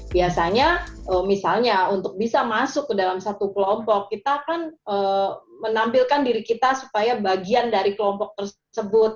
biasanya misalnya untuk bisa masuk ke dalam satu kelompok kita akan menampilkan diri kita supaya bagian dari kelompok tersebut